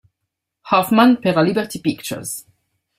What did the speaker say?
Hoffman per la Liberty Pictures.